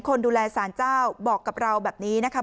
คนดูแลสารเจ้าบอกกับเราแบบนี้นะคะ